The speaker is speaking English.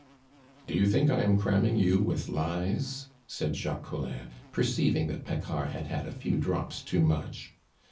"Do you think I am cramming you with lies?" said Jacques Collin, perceiving that Paccard had had a few drops too much.